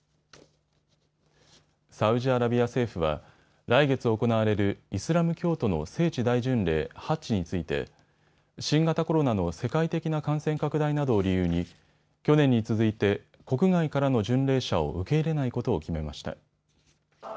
サウジアラビア政府は来月行われるイスラム教徒の聖地大巡礼、ハッジについて新型コロナの世界的な感染拡大などを理由に去年に続いて国外からの巡礼者を受け入れないことを決めました。